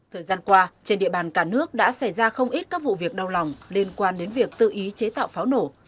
thời gian qua trên địa bàn cả nước đã xảy ra không ít các vụ việc đau lòng liên quan đến việc tự ý chế tạo pháo nổ